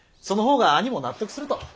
その方が兄も納得すると。